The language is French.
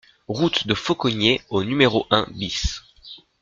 Route de Faucogney au numéro un BIS